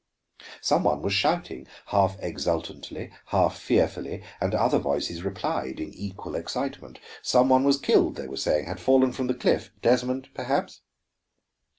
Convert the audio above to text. Some one was shouting, half exultantly, half fearfully, and other voices replied in equal excitement. Some one was killed, they were saying, had fallen from the cliff. Desmond, perhaps?